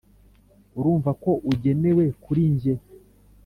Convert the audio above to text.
urumva ko ugenewe kuri njye